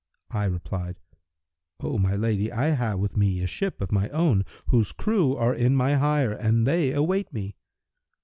I replied, 'O my lady, I have with me a ship of my own, whose crew are in my hire, and they await me.'